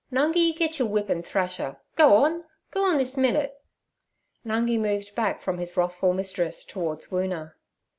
Nungi, get your whip and thrash 'er. Go on—go on this minute.' Nungi moved back from his wrathful mistress towards Woona.